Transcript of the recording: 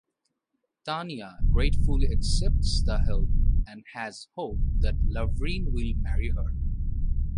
Tania gratefully accepts the help and has hope that Lavrin will marry her.